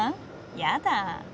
やだ。